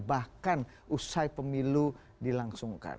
bahkan usai pemilu dilangsungkan